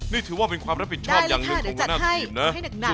นี่ถือว่าเป็นความรับผิดชอบอย่างหนึ่งของหัวหน้าทีมนะ